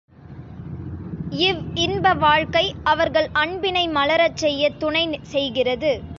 இவ்இன்ப வாழ்க்கை அவர்கள் அன்பினை மலரச் செய்யத் துணை செய்கிறது.